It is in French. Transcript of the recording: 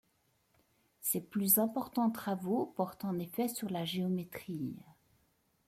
Ses plus importants travaux portent en effet sur la géométrie.